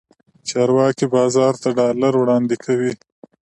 چارواکي بازار ته ډالر وړاندې کوي.